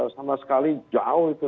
sama sekali jauh itu